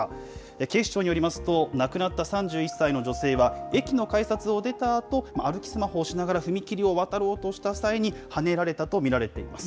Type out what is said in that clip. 警視庁によりますと、亡くなった３１歳の女性は、駅の改札を出たあと、歩きスマホをしながら踏切を渡ろうとした際に、はねられたと見られています。